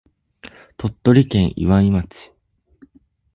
鳥取県岩美町